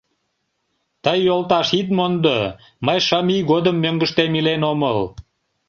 Тый, йолташ, ит мондо: мый шым ий годым мӧҥгыштем илен омыл.